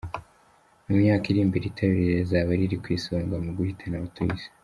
Mu myaka iri imbere itabi rizaba riri ku isonga mu guhitana abatuye Isi